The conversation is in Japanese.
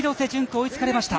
追いつかれました。